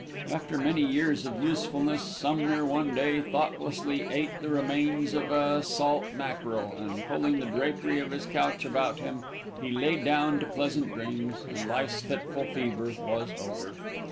After many years of usefulness Sumner one day thoughtlessly ate the remains of a salt mackerel, and pulling the drapery of his couch about him he lay down to pleasant dreams, and life's fitful fever was over.